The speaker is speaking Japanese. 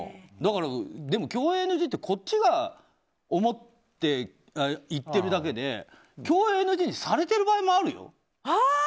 でも共演ＮＧってこっちが思って言ってるだけで共演ＮＧにされてる場合もあるよ。